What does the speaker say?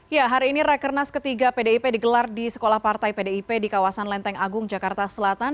ya hari ini rakernas ketiga pdip digelar di sekolah partai pdip di kawasan lenteng agung jakarta selatan